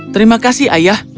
terima kasih ayah